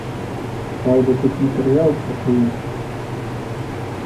Праўда, тут матэрыял крыху іншы.